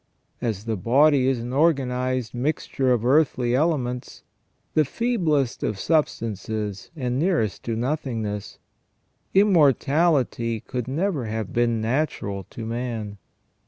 As the body is an organized mixture of earthly elements, the feeblest of substances and nearest to nothingness, immortality could never have been natural to man.